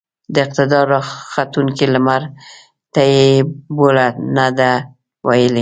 د اقتدار راختونکي لمرته يې بولـله نه ده ويلې.